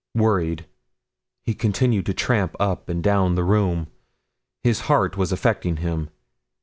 Worried, he continued his tramp up and down the room. His heart was affecting him.